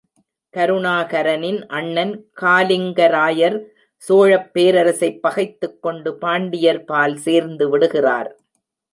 கருணாகரனின் அண்ணன் காலிங்கராயர் சோழப் பேரரசைப் பகைத்துக்கொண்டு பாண்டியர்பால் சேர்ந்துவிடுகிறார்.